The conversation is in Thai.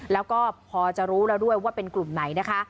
แล้วก็พอจะรู้แล้วด้วยว่าเป็นกลุ่มไหนนะคะ